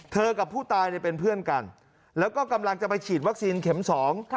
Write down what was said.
กับผู้ตายเนี่ยเป็นเพื่อนกันแล้วก็กำลังจะไปฉีดวัคซีนเข็มสอง